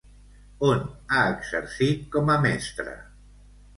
On ha exercit com a mestra?